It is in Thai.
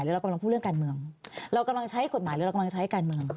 เรากำลังพูดเรื่องการเมืองเรากำลังใช้กฎหมายหรือเรากำลังใช้การเมือง